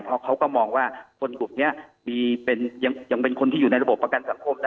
เพราะเขาก็มองว่าคนกลุ่มนี้ยังเป็นคนที่อยู่ในระบบประกันสังคมได้